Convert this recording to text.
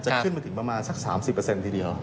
ขึ้นมาถึงประมาณสัก๓๐ทีเดียว